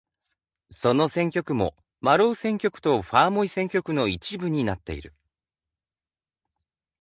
その選挙区もマロ―選挙区とファーモイ選挙区の一部になっている。